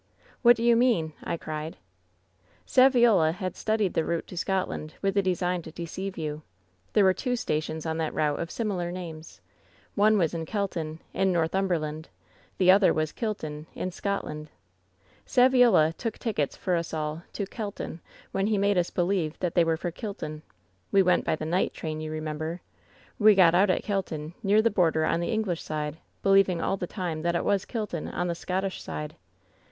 ^' 'What do you mean V 1 cried. " ^Saviola had studied the route to Scotland, vrith the design to deceive you. There were two stations on that route of similar names. One was Kelton, in NorthuBi* WHEN SHADOWS DIE IW berland. ' The other was Kilton, in Scotland. Saviola took tickets for us all to Kelton, when he made us be lieve that they were for Kilton. We went by the night train, you remember. We got out at Kelton, near the border on the English side, believing all the time that it was Kilton, on the Scottish side.